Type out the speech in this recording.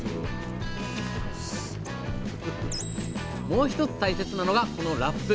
もう一つ大切なのがこのラップ。